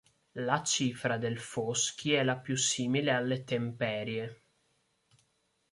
La cifra del Foschi è la più simile alle temperie.